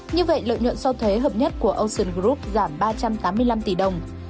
như vậy lợi nhuận sau thuế hợp nhất của ocean group giảm ba trăm tám mươi năm tỷ đồng